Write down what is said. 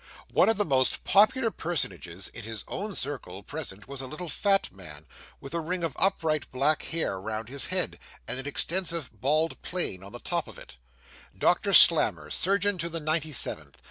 One of the most popular personages, in his own circle, present, was a little fat man, with a ring of upright black hair round his head, and an extensive bald plain on the top of it Doctor Slammer, surgeon to the 97th.